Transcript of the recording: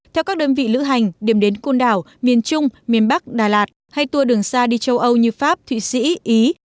theo các đơn vị lữ hành điểm đến côn đảo miền trung miền bắc đà lạt hay tour đường xa đi châu âu như pháp thụy sĩ ý